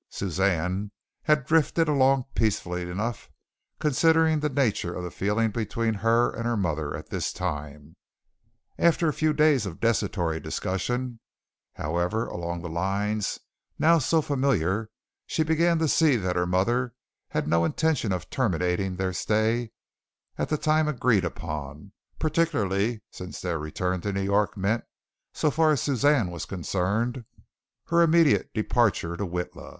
Suzanne had drifted along peacefully enough considering the nature of the feeling between her and her mother at this time. After a few days of desultory discussion, however, along the lines now so familiar, she began to see that her mother had no intention of terminating their stay at the time agreed upon, particularly since their return to New York meant, so far as Suzanne was concerned, her immediate departure to Witla.